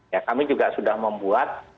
ya kami juga sudah membuat